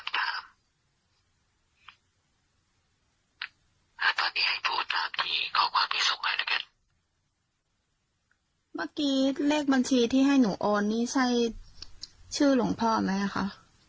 เมื่อกี้เลขบัญชีที่ให้หนูโอนนี่ใช่ชื่อหลวงพ่อไหมคะ